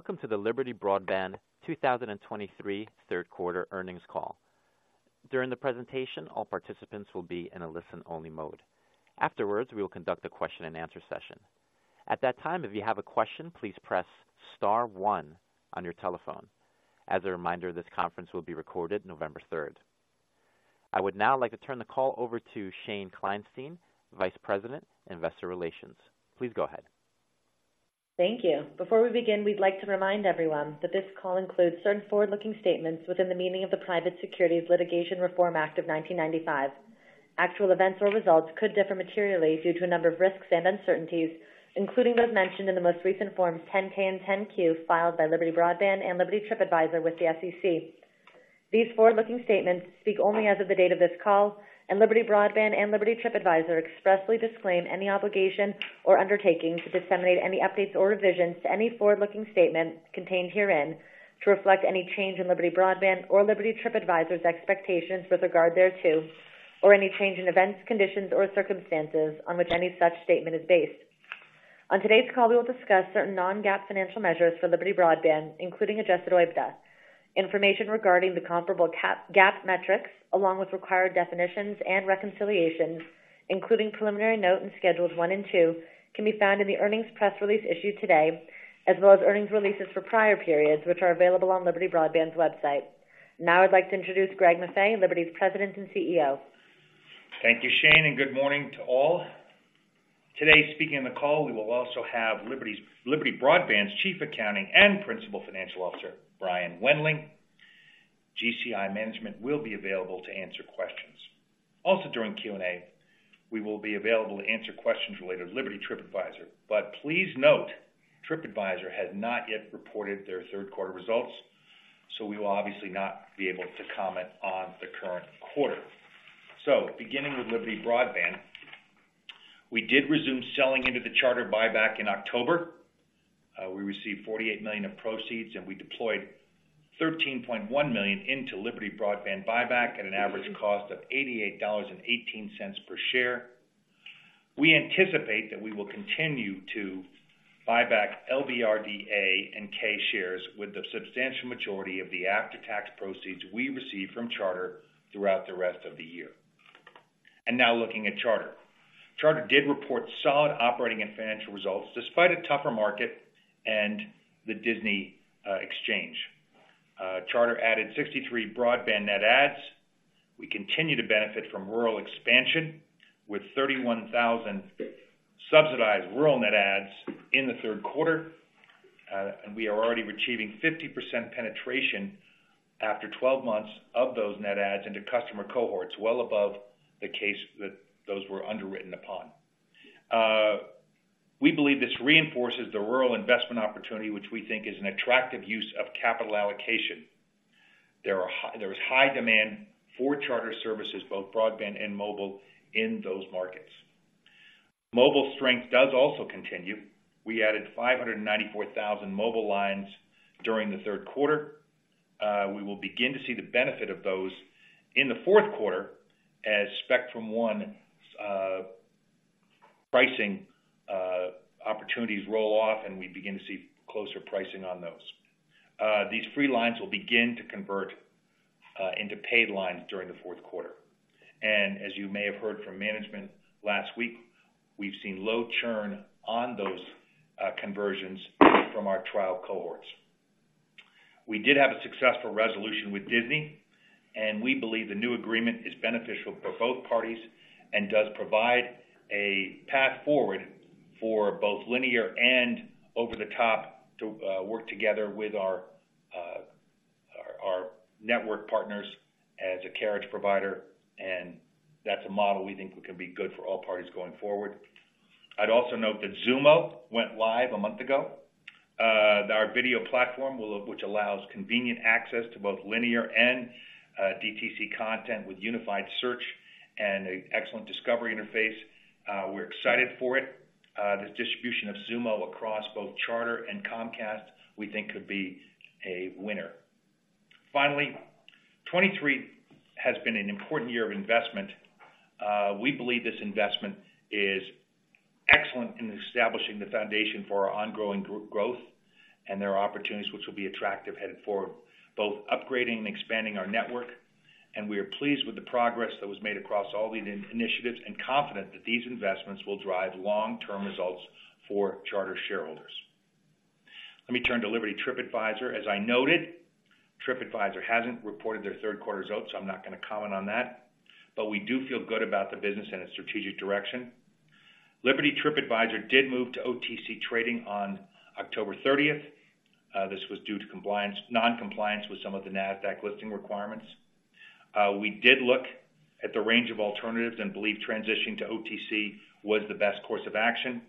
Welcome to the Liberty Broadband 2023 Third Quarter Earnings Call. During the presentation, all participants will be in a listen-only mode. Afterwards, we will conduct a question-and-answer session. At that time, if you have a question, please press star one on your telephone. As a reminder, this conference will be recorded 3 November. I would now like to turn the call over to Shane Kleinstein, Vice President, Investor Relations. Please go ahead. Thank you. Before we begin, we'd like to remind everyone that this call includes certain forward-looking statements within the meaning of the Private Securities Litigation Reform Act of 1995. Actual events or results could differ materially due to a number of risks and uncertainties, including those mentioned in the most recent Forms 10-K and 10-Q filed by Liberty Broadband and Liberty TripAdvisor with the SEC. These forward-looking statements speak only as of the date of this call, and Liberty Broadband and Liberty TripAdvisor expressly disclaim any obligation or undertaking to disseminate any updates or revisions to any forward-looking statements contained herein to reflect any change in Liberty Broadband or Liberty TripAdvisor's expectations with regard thereto, or any change in events, conditions, or circumstances on which any such statement is based. On today's call, we will discuss certain non-GAAP financial measures for Liberty Broadband, including adjusted OIBDA. Information regarding the comparable non-GAAP metrics, along with required definitions and reconciliations, including preliminary note and schedules one and two, can be found in the earnings press release issued today, as well as earnings releases for prior periods, which are available on Liberty Broadband's website. Now I'd like to introduce Greg Maffei, Liberty's President and CEO. Thank you, Shane, and good morning to all. Today, speaking on the call, we will also have Liberty Broadband's Chief Accounting and Principal Financial Officer, Brian Wendling. GCI Management will be available to answer questions. Also, during Q&A, we will be available to answer questions related to Liberty TripAdvisor. But please note, TripAdvisor has not yet reported their third quarter results, so we will obviously not be able to comment on the current quarter. So beginning with Liberty Broadband, we did resume selling into the Charter buyback in October. We received $48 million of proceeds, and we deployed $13.1 million into Liberty Broadband buyback at an average cost of $88.18 per share. We anticipate that we will continue to buyback LBRDA and K shares with the substantial majority of the after-tax proceeds we receive from Charter throughout the rest of the year. Now looking at Charter. Charter did report solid operating and financial results, despite a tougher market and the Disney exchange. Charter added 63 broadband net adds. We continue to benefit from rural expansion, with 31,000 subsidized rural net adds in the third quarter, and we are already achieving 50% penetration after 12 months of those net adds into customer cohorts, well above the case that those were underwritten upon. We believe this reinforces the rural investment opportunity, which we think is an attractive use of capital allocation. There is high demand for Charter services, both broadband and mobile, in those markets. Mobile strength does also continue. We added 594,000 mobile lines during the third quarter. We will begin to see the benefit of those in the fourth quarter as Spectrum One pricing opportunities roll off, and we begin to see closer pricing on those. These free lines will begin to convert into paid lines during the fourth quarter. As you may have heard from management last week, we've seen low churn on those conversions from our trial cohorts. We did have a successful resolution with Disney, and we believe the new agreement is beneficial for both parties and does provide a path forward for both linear and over-the-top to work together with our network partners as a carriage provider, and that's a model we think can be good for all parties going forward. I'd also note that Xumo went live a month ago. Our video platform will, which allows convenient access to both linear and DTC content with unified search and an excellent discovery interface. We're excited for it. This distribution of Xumo across both Charter and Comcast, we think could be a winner. Finally, 2023 has been an important year of investment. We believe this investment is excellent in establishing the foundation for our ongoing growth and there are opportunities which will be attractive headed forward, both upgrading and expanding our network, and we are pleased with the progress that was made across all these initiatives and confident that these investments will drive long-term results for Charter shareholders. Let me turn to Liberty TripAdvisor. As I noted, TripAdvisor hasn't reported their third quarter results, so I'm not gonna comment on that, but we do feel good about the business and its strategic direction. Liberty TripAdvisor did move to OTC trading on 30 October. This was due to non-compliance with some of the NASDAQ listing requirements. We did look at the range of alternatives and believe transitioning to OTC was the best course of action,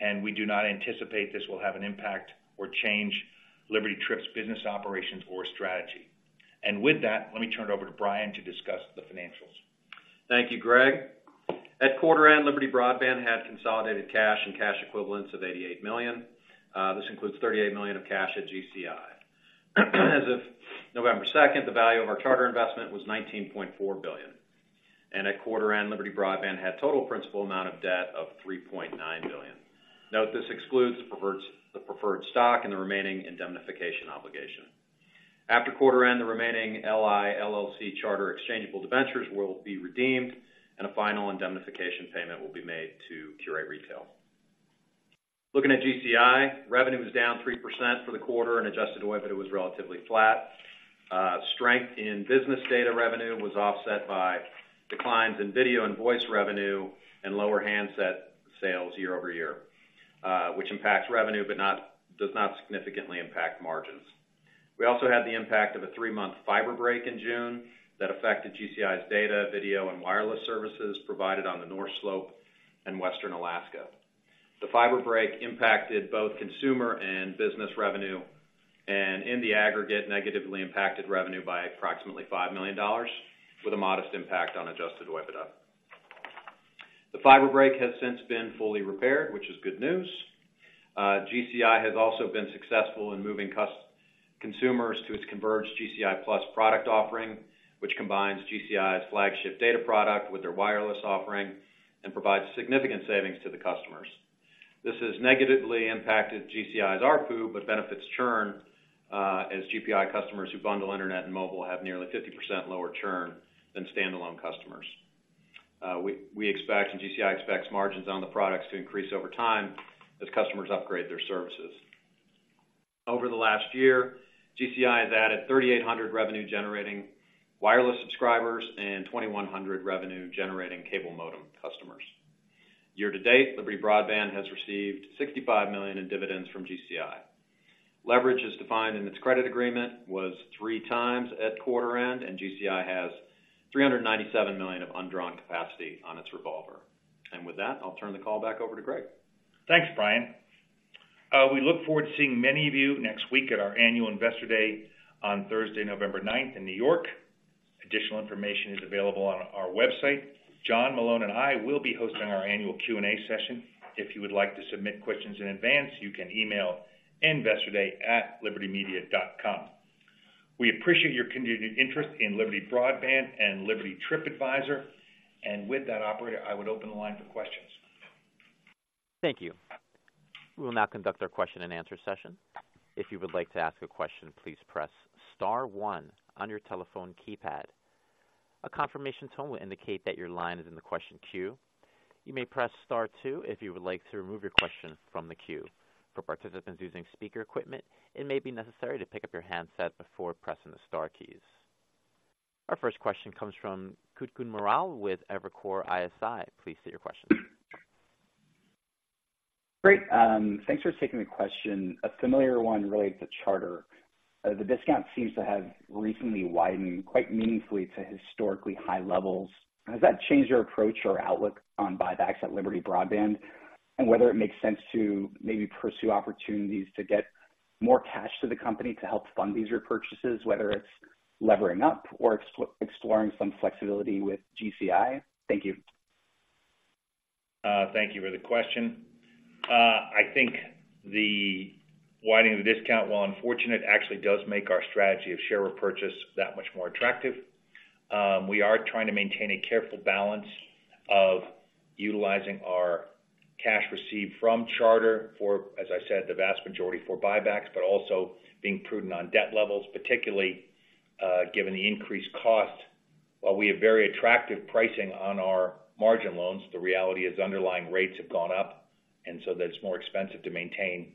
and we do not anticipate this will have an impact or change Liberty TripAdvisor's business operations or strategy. And with that, let me turn it over to Brian to discuss the financials. Thank you, Greg. At quarter end, Liberty Broadband had consolidated cash and cash equivalents of $88 million. This includes $38 million of cash at GCI. As of November second, the value of our Charter investment was $19.4 billion and at quarter end, Liberty Broadband had total principal amount of debt of $3.9 billion. Note, this excludes preferred, the preferred stock and the remaining indemnification obligation. After quarter end, the remaining Liberty Interactive LLC Charter exchangeable debentures will be redeemed, and a final indemnification payment will be made to Qurate Retail. Looking at GCI, revenue was down 3% for the quarter, and Adjusted OIBDA, it was relatively flat. Strength in business data revenue was offset by declines in video and voice revenue and lower handset sales year-over-year, which impacts revenue, but does not significantly impact margins. We also had the impact of a three month fiber break in June that affected GCI's data, video, and wireless services provided on the North Slope in Western Alaska. The fiber break impacted both consumer and business revenue, and in the aggregate, negatively impacted revenue by approximately $5 million, with a modest impact on adjusted OIBDA. The fiber break has since been fully repaired, which is good news. GCI has also been successful in moving consumers to its converged GCI Plus product offering, which combines GCI's flagship data product with their wireless offering and provides significant savings to the customers. This has negatively impacted GCI's ARPU, but benefits churn, as GCI customers who bundle internet and mobile have nearly 50% lower churn than standalone customers. We expect, and GCI expects margins on the products to increase over time as customers upgrade their services. Over the last year, GCI has added 3,800 revenue-generating wireless subscribers and 2,100 revenue-generating cable modem customers. Year-to-date, Liberty Broadband has received $65 million in dividends from GCI. Leverage, as defined in its credit agreement, was 3x at quarter end, and GCI has $397 million of undrawn capacity on its revolver. With that, I'll turn the call back over to Greg. Thanks, Brian. We look forward to seeing many of you next week at our Annual Investor Day on Thursday, November ninth, in New York. Additional information is available on our website. John Malone and I will be hosting our annual Q&A session. If you would like to submit questions in advance, you can email investorday@libertymedia.com. We appreciate your continued interest in Liberty Broadband and Liberty TripAdvisor. And with that, operator, I would open the line for questions. Thank you. We will now conduct our question-and-answer session. If you would like to ask a question, please press star one on your telephone keypad. A confirmation tone will indicate that your line is in the question queue. You may press star two if you would like to remove your question from the queue. For participants using speaker equipment, it may be necessary to pick up your handset before pressing the star keys. Our first question comes from Kutgun Maral with Evercore ISI. Please state your question. Great. Thanks for taking the question. A familiar one related to Charter. The discount seems to have recently widened quite meaningfully to historically high levels. Has that changed your approach or outlook on buybacks at Liberty Broadband? And whether it makes sense to maybe pursue opportunities to get more cash to the company to help fund these repurchases, whether it's levering up or exploring some flexibility with GCI? Thank you. Thank you for the question. I think the widening of the discount, while unfortunate, actually does make our strategy of share repurchase that much more attractive. We are trying to maintain a careful balance of utilizing our cash received from Charter for, as I said, the vast majority for buybacks, but also being prudent on debt levels, particularly, given the increased cost. While we have very attractive pricing on our margin loans, the reality is underlying rates have gone up, and so that it's more expensive to maintain,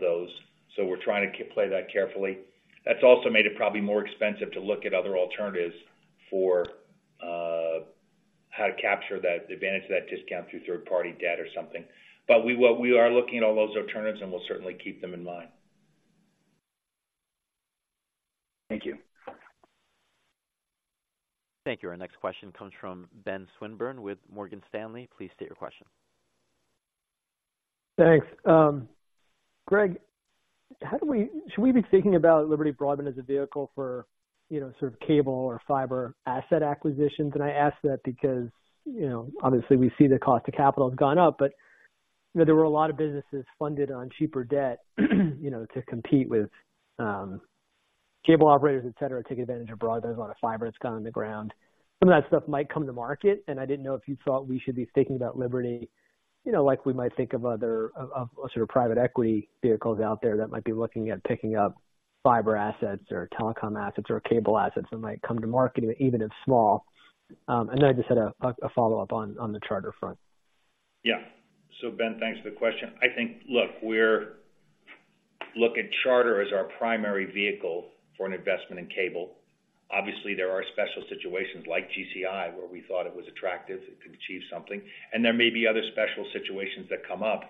those. So we're trying to play that carefully. That's also made it probably more expensive to look at other alternatives for, how to capture that advantage of that discount through third-party debt or something. But we are looking at all those alternatives, and we'll certainly keep them in mind. Thank you. Thank you. Our next question comes from Ben Swinburne with Morgan Stanley. Please state your question. Thanks. Greg, should we be thinking about Liberty Broadband as a vehicle for, you know, sort of cable or fiber asset acquisitions? And I ask that because, you know, obviously, we see the cost of capital has gone up, but, you know, there were a lot of businesses funded on cheaper debt, you know, to compete with cable operators, et cetera, take advantage of broadband. There's a lot of fiber that's gone in the ground. Some of that stuff might come to market, and I didn't know if you thought we should be thinking about Liberty, you know, like we might think of other sort of private equity vehicles out there that might be looking at picking up fiber assets or telecom assets or cable assets that might come to market, even if small. I just had a follow-up on the Charter front. Yeah. So Ben, thanks for the question. I think, look, we're looking at Charter as our primary vehicle for an investment in cable. Obviously, there are special situations like GCI, where we thought it was attractive, it could achieve something, and there may be other special situations that come up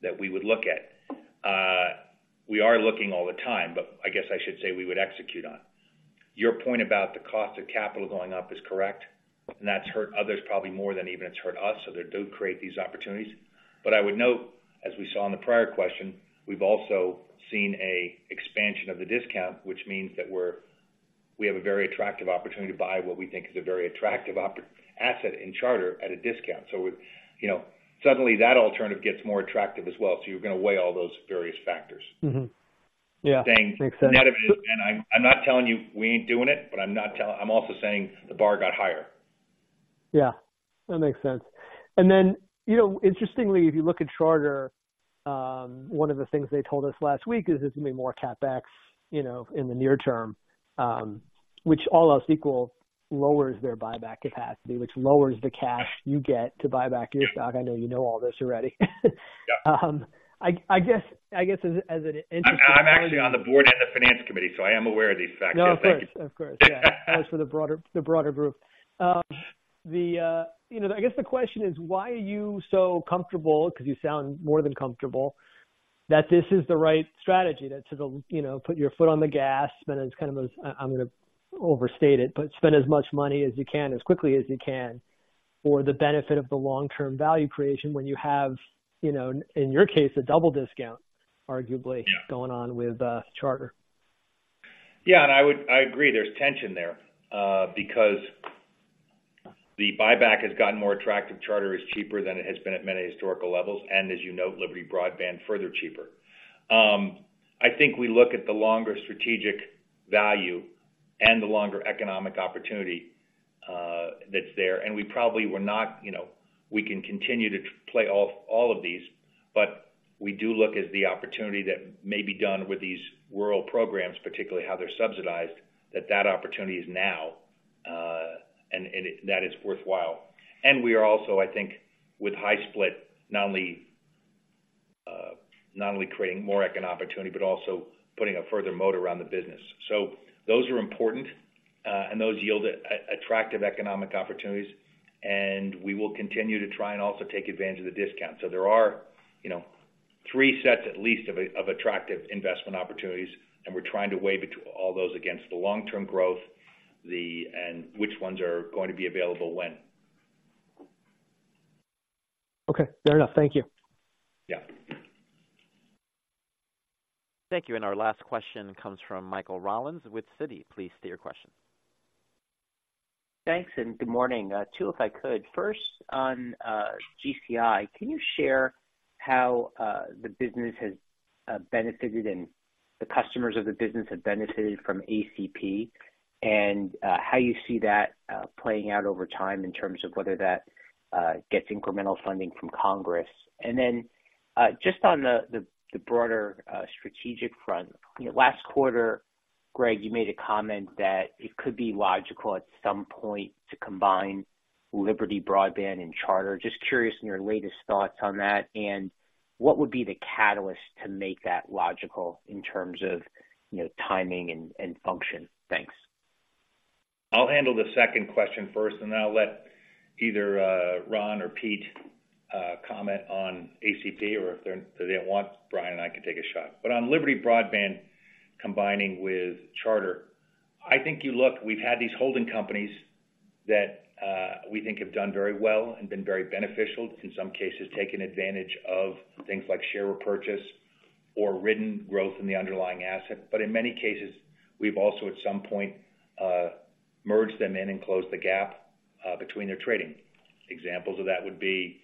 that we would look at. We are looking all the time, but I guess I should say we would execute on. Your point about the cost of capital going up is correct, and that's hurt others probably more than even it's hurt us, so they do create these opportunities. But I would note, as we saw in the prior question, we've also seen an expansion of the discount, which means that we're, we have a very attractive opportunity to buy what we think is a very attractive asset in Charter at a discount. So, you know, suddenly, that alternative gets more attractive as well. So you're going to weigh all those various factors. Yeah, makes sense. I'm not telling you we ain't doing it, but I'm not telling, I'm also saying the bar got higher. Yeah, that makes sense. And then, you know, interestingly, if you look at Charter, one of the things they told us last week is there's gonna be more CapEx, you know, in the near term, which all else equal, lowers their buyback capacity, which lowers the cash you get to buy back your stock. I know you know all this already. Yeah. I guess as an interesting- I'm actually on the board and the finance committee, so I am aware of these facts. No, of course. Thank you. Of course. Yeah. As for the broader group. You know, I guess the question is: Why are you so comfortable, 'cause you sound more than comfortable, that this is the right strategy to you know, put your foot on the gas, and it's kind of those, I'm gonna overstate it, but spend as much money as you can, as quickly as you can, for the benefit of the long-term value creation when you have, you know, in your case, a double discount, arguably Yeah Going on with Charter? Yeah, and I agree, there's tension there, because the buyback has gotten more attractive. Charter is cheaper than it has been at many historical levels, and as you note, Liberty Broadband, further cheaper. I think we look at the longer strategic value and the longer economic opportunity, that's there, and we probably were not, you know, we can continue to play all of these, but we do look at the opportunity that may be done with these rural programs, particularly how they're subsidized, that opportunity is now, and that is worthwhile. And we are also, I think, with High Split, not only creating more econ opportunity, but also putting a further moat around the business. So those are important, and those yield attractive economic opportunities, and we will continue to try and also take advantage of the discount. So there are, you know, three sets at least of attractive investment opportunities, and we're trying to weigh all those against the long-term growth, and which ones are going to be available when. Okay, fair enough. Thank you. Yeah. Thank you, and our last question comes from Michael Rollins with Citi. Please state your question. Thanks, and good morning. Two, if I could. First, on GCI, can you share how the business has benefited and the customers of the business have benefited from ACP? And how you see that playing out over time in terms of whether that gets incremental funding from Congress. And then just on the broader strategic front, you know, last quarter, Greg, you made a comment that it could be logical at some point to combine Liberty Broadband and Charter. Just curious on your latest thoughts on that, and what would be the catalyst to make that logical in terms of, you know, timing and function? Thanks. I'll handle the second question first, and then I'll let either Ron or Pete comment on ACP, or if they don't want, Brian and I can take a shot. But on Liberty Broadband combining with Charter, I think you look, we've had these holding companies that we think have done very well and been very beneficial, in some cases, taken advantage of things like share repurchase or ridden growth in the underlying asset. But in many cases, we've also, at some point, merged them in and closed the gap between their trading. Examples of that would be,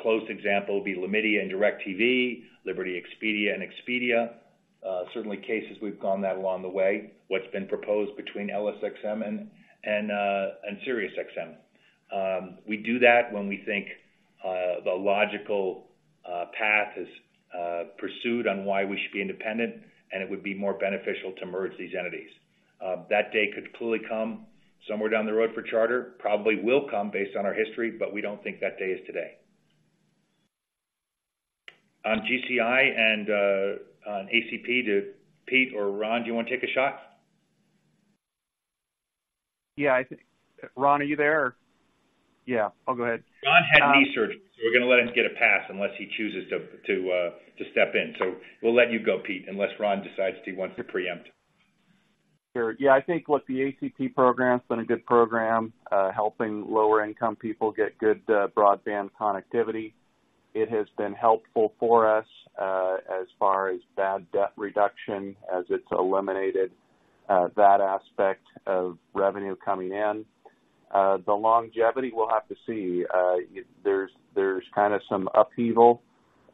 close example would be Liberty Media and DirecTV, Liberty Expedia and Expedia. Certainly cases we've gone that along the way. What's been proposed between LSXM and SiriusXM. We do that when we think the logical path is pursued on why we should be independent, and it would be more beneficial to merge these entities. That day could clearly come somewhere down the road for Charter, probably will come based on our history, but we don't think that day is today. On GCI and on ACP, do Pete or Ron, do you want to take a shot? Yeah, I think Ron, are you there or? Yeah, I'll go ahead. Ron had knee surgery, so we're gonna let him get a pass unless he chooses to step in. So we'll let you go, Pete, unless Ron decides he wants to preempt. Sure. Yeah, I think, look, the ACP program's been a good program, helping lower-income people get good, broadband connectivity. It has been helpful for us, as far as bad debt reduction, as it's eliminated, that aspect of revenue coming in. The longevity, we'll have to see. There's, there's kind of some upheaval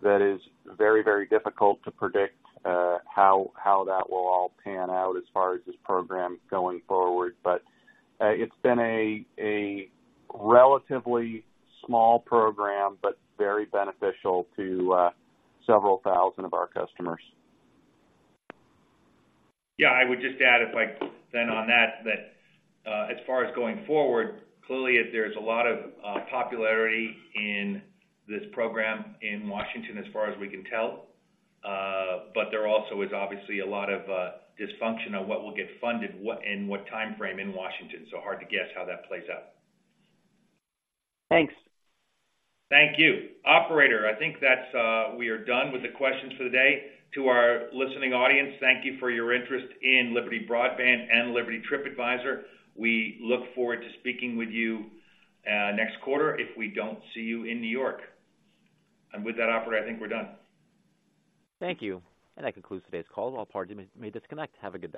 that is very, very difficult to predict, how, how that will all pan out as far as this program going forward. But, it's been a, a relatively small program, but very beneficial to, several thousand of our customers. Yeah, I would just add, if I can, on that, as far as going forward, clearly, there's a lot of popularity in this program in Washington, as far as we can tell. But there also is obviously a lot of dysfunction on what will get funded, what and what timeframe in Washington. So hard to guess how that plays out. Thanks. Thank you. Operator, I think that's, we are done with the questions for the day. To our listening audience, thank you for your interest in Liberty Broadband and Liberty TripAdvisor. We look forward to speaking with you, next quarter, if we don't see you in New York. And with that, operator, I think we're done. Thank you. That concludes today's call. All parties may disconnect. Have a good day.